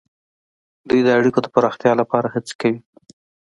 دوی د اړیکو د پراختیا لپاره هڅې کوي